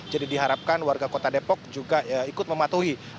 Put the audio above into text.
jadi diharapkan warga kota depok juga ikut mematuhi